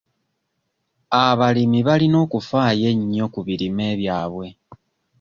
Abalimi balina okufaayo ennyo ku birime byabwe.